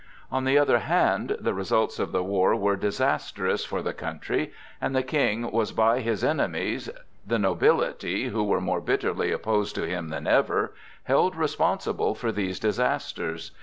On the other hand, the results of the war were disastrous for the country, and the King was by his enemies, the nobility (who were more bitterly opposed to him than ever), held responsible for these disasters.